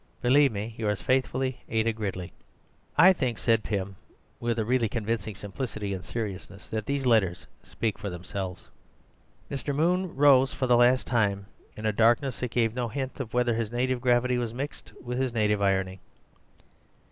—Believe me, yours faithfully, Ada Gridley. "I think," said Pym, with a really convincing simplicity and seriousness, "that these letters speak for themselves." Mr. Moon rose for the last time in a darkness that gave no hint of whether his native gravity was mixed with his native irony.